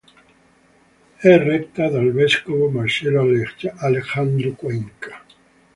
È retta dal vescovo Marcelo Alejandro Cuenca.